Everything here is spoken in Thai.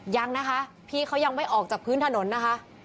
ยังนะคะพี่เขายังไม่ออกจากพื้นถนนนะคะ